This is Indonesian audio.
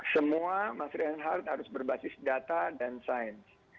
semua mas rian hart harus berbasis data dan sains